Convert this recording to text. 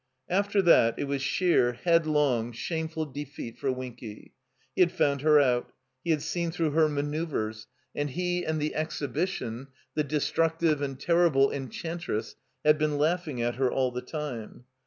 After that it was sheer headlong, shameful defeat for Winky. He had foimd her out, he had seen through her manoeuvers, and he and the Exhibition, the destructive and terrible Enchantress, had been laughing at her all the time.